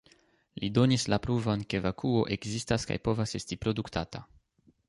Li donis la pruvon ke vakuo ekzistas kaj povas esti produktata.